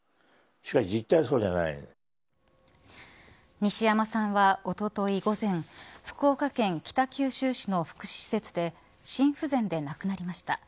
西山さんは、おととい午前、福岡県北九州市の福祉施設で心不全で亡くなりました。